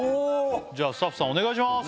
じゃあスタッフさんお願いします！